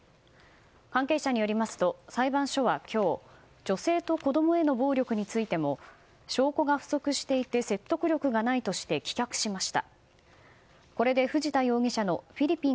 関係者によりますと裁判所は今日女性と子供への暴力についても証拠が不足していて説得力がないとして棄却しました。